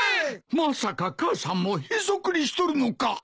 まさか母さんもヘソクリしとるのか。